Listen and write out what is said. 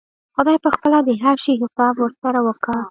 خداى به پخپله د هر شي حساب ورسره وکا.